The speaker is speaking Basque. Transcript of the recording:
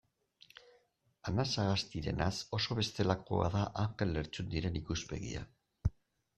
Anasagastirenaz oso bestelakoa da Anjel Lertxundiren ikuspegia.